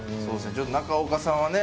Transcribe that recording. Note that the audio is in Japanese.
ちょっと中岡さんはね